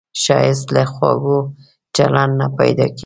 ښایست له خواږه چلند نه پیدا کېږي